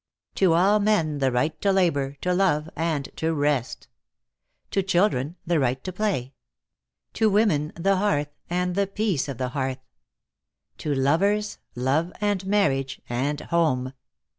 To all men the right to labor, to love, and to rest. To children, the right to play. To women, the hearth, and the peace of the hearth. To lovers, love, and marriage, and home.